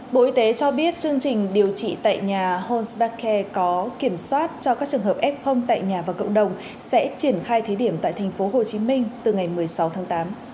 bộ y tế cho biết chương trình điều trị tại nhà homes back care có kiểm soát cho các trường hợp f tại nhà và cộng đồng sẽ triển khai thế điểm tại thành phố hồ chí minh từ ngày một mươi sáu tháng tám